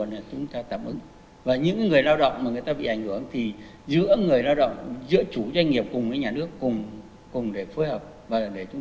dịch vụ nghỉ việc dịch vụ nghỉ việc dịch vụ nghỉ việc dịch vụ nghỉ việc dịch vụ nghỉ việc